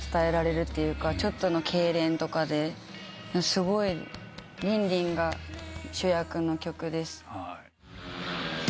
すごいリンリンが主役の曲です。